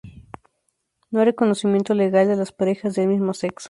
No hay reconocimiento legal de las parejas del mismo sexo.